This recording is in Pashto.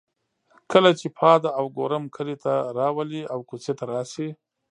کله چې پاده او ګورم کلي ته راولي او کوڅې ته راشي.